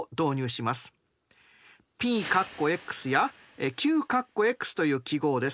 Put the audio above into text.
ＰやＱという記号です。